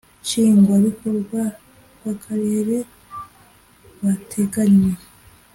Nshingwabikorwa rw Akarere bateganywa